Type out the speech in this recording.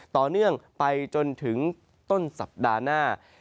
ต่อเนื่องไปจนถึงต้นสัปดาห์หน้า